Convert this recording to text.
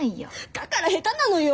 だから下手なのよ。